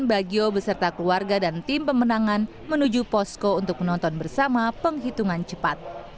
bagio beserta keluarga dan tim pemenangan menuju posko untuk menonton bersama penghitungan cepat